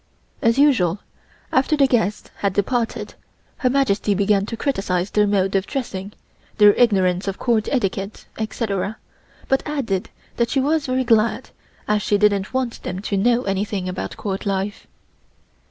As usual after the guests had departed Her Majesty began to criticise their mode of dressing, their ignorance of Court etiquette, etc., but added that she was rather glad, as she didn't want them to know anything about Court life.